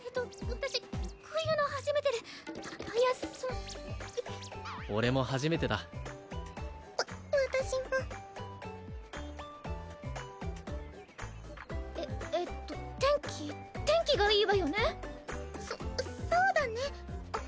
私こういうの初めてでいやその俺も初めてだわ私もええっと天気天気がいいわよねそそうだねあっ